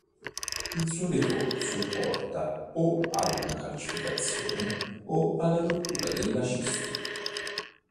Il suo decorso porta o ad una calcificazione o alla rottura della cisti.